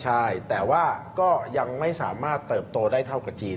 ใช่แต่ว่าก็ยังไม่สามารถเติบโตได้เท่ากับจีน